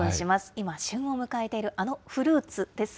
今、旬を迎えているあのフルーツです。